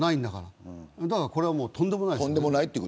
これは、とんでもないです。